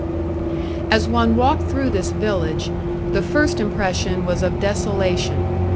As one walked through this village, the first impression was of desolation.